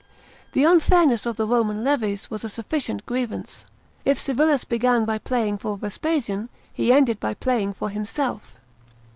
The un'airness of the Roman levi»s was a sufficient grievance. If Civilis began by playing for Vespasian, he ended by playing for himself.